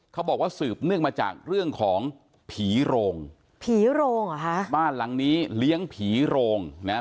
เขาบอกว่าสืบเนื่องมาจากเรื่องของผีโรงผีโรงเหรอฮะบ้านหลังนี้เลี้ยงผีโรงนะฮะ